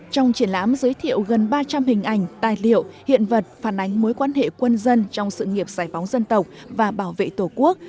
trong triển lãm giới thiệu gần ba trăm linh hình ảnh tài liệu hiện vật phản ánh mối quan hệ quân dân trong sự nghiệp giải phóng dân tộc và bảo vệ tổ quốc